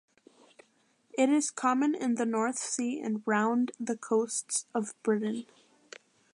It is common in the North Sea and round the coasts of Britain.